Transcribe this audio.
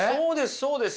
そうです！